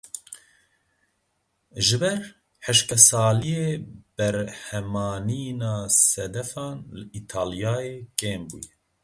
Ji ber hişkesaliyê berhemanîna sedefan li Îtalyayê kêm bûye.